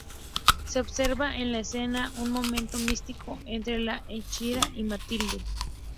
Se observa en la escena un momento místico entre la Hechicera y Matilde.